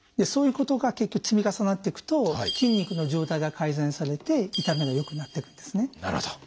そういうことが結局積み重なっていくと筋肉の状態が改善されて痛みが良くなっていくんですね。